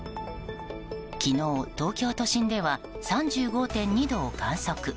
昨日、東京都心では３５．２度を観測。